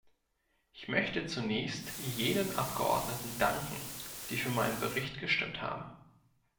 Ich möchte zunächst jenen Abgeordneten danken, die für meinen Bericht gestimmt haben.